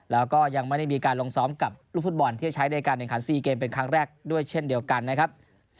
แล้วก็ยังไม่ได้มีการลงซ้อมกับลูกฟุตบอลที่จะใช้ในการแข่งขัน๔เกมเป็นครั้งแรกด้วยเช่นเดียวกันนะครับ